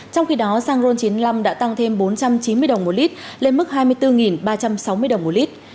trong khi đó xăng ron chín mươi năm đã tăng thêm bốn trăm chín mươi đồng một lít lên mức hai mươi bốn ba trăm sáu mươi đồng một lít